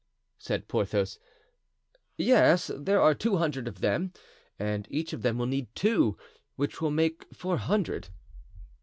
said Porthos. "Yes, there are two hundred of them, and each of them will need two, which will make four hundred."